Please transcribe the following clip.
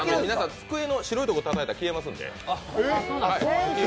机の広いところをたたいたら消えますんで。